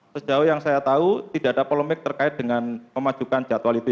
sejauh yang saya tahu tidak ada polemik terkait dengan memajukan jadwal itu